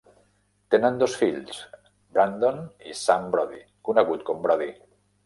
Tenen dos fills, Brandon i Sam Brody, conegut com Brody.